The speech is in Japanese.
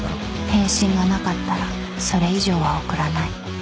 返信がなかったらそれ以上は送らない